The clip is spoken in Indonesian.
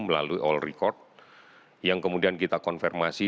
melalui all record yang kemudian kita konfirmasi